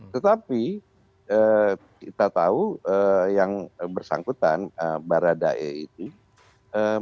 tetapi kita tahu yang bersangkutan barada eliezer